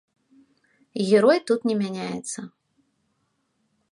Герой тут не мяняецца.